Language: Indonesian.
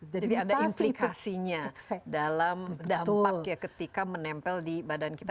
jadi ada implikasinya dalam dampak ketika menempel di badan kita